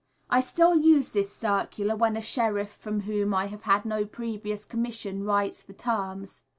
I still use this circular when a sheriff from whom I have had no previous commission writes for terms.